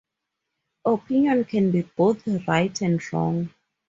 Opinion can be both right and wrong.